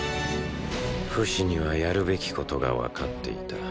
フシにはやるべきことがわかっていた。